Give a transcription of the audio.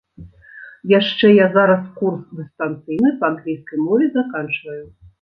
Яшчэ я зараз курс дыстанцыйны па англійскай мове заканчваю.